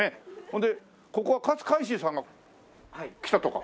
ほんでここは勝海舟さんが来たとか。